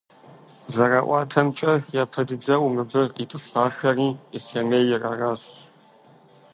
ЗэраӀуатэмкӀэ, япэ дыдэу мыбы къитӀысхьари Ислъэмейр аращ.